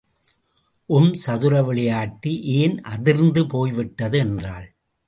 உம்சதுரவிளையாட்டு ஏன் அதிர்ந்து போய்விட்டது என்றாள்.